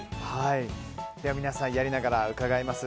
皆さん、やりながら伺います。